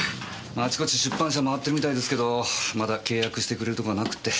あちこち出版社回ってるみたいですけどまだ契約してくれるとこはなくって。